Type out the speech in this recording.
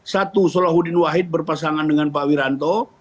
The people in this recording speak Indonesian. satu solahuddin wahid berpasangan dengan pak wiranto